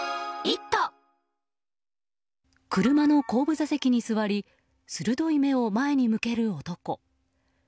車の後部座席に座り鋭い目を前に向ける男。